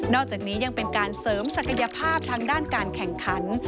อกจากนี้ยังเป็นการเสริมศักยภาพทางด้านการแข่งขัน